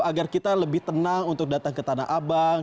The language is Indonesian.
agar kita lebih tenang untuk datang ke tanah abang